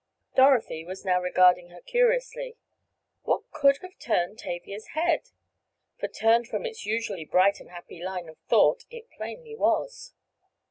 Dorothy was now regarding her curiously. What could have turned Tavia's head? For turned from its usually bright and happy line of thought it plainly was.